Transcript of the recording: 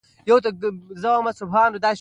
بزګرانو په زحمت طبیعي چاپیریال بدل کړ.